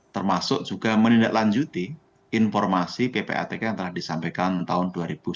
termasuk juga menindaklanjuti informasi ppatk yang telah disampaikan tahun dua ribu dua puluh